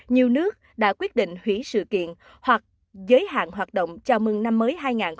nhiều nước đã quyết định hủy sự kiện hoặc giới hạn hoạt động chào mừng năm mới hai nghìn hai mươi